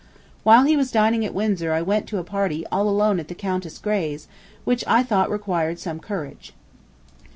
While he was dining at Windsor I went to a party all alone at the Countess Grey's, which I thought required some courage.